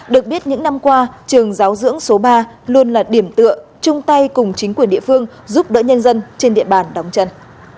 được biết những năm qua trường giáo dưỡng số ba luôn là điểm tựa chung tay cùng chính quyền địa phương giúp đỡ nhân dân trên địa bàn đóng chân